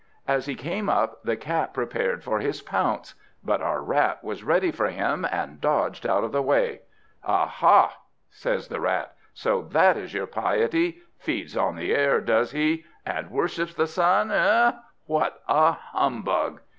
As he came up, the Cat prepared for his pounce. But our Rat was ready for him, and dodged out of the way. "Aha!" says the Rat, "so that is your piety! Feeds on the air, does he! and worships the sun eh? What a humbug!"